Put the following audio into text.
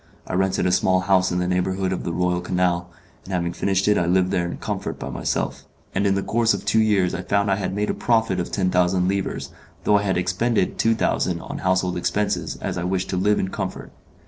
I rented a small house in the neighbourhood of the Royal Canal, and having furnished it I lived there in comfort by myself; and in the course of two years I found I had made a profit of ten thousand livres, though I had expended two thousand on household expenses as I wished to live in comfort.